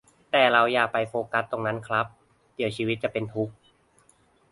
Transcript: แต่เราอย่าไปโฟกัสตรงนั้นครับ เดี๋ยวชีวิตจะเป็นทุกข์